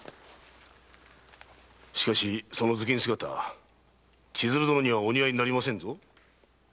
しかしその頭巾姿千鶴殿にはお似合いになりませぬぞ。